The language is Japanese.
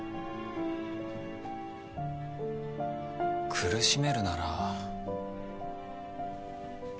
苦しめるなら。